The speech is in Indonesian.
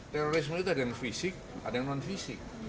terorisme itu ada yang fisik ada yang non fisik